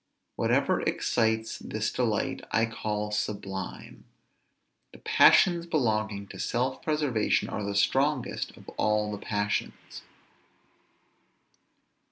Whatever excites this delight, I call sublime. The passions belonging to self preservation are the strongest of all the passions.